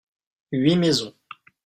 huit maisons.